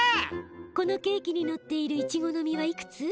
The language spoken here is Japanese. このケーキにのっているイチゴの実はいくつ？